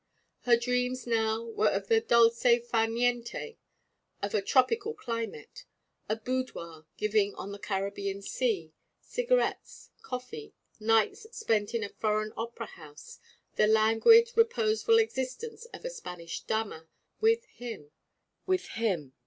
Her dreams now were of the dolce far niente of a tropical climate, a boudoir giving on the Caribbean sea, cigarettes, coffee, nights spent in a foreign opera house, the languid, reposeful existence of a Spanish dama with him, with him.